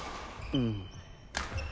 うん。